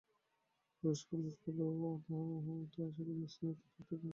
রুশ-ফুশগুলো তো আসল ম্লেচ্ছ, তিব্বত থেকেই ও ঢঙ আরম্ভ।